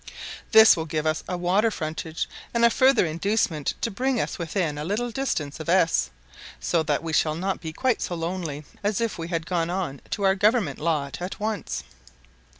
This will give us a water frontage, and a further inducement to bring us within a little distance of S ; so that we shall not be quite so lonely as if we had gone on to our government lot at once.